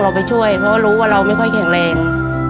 ไปช่วยเพราะว่ารู้ว่าเราไม่ค่อยแข็งแรง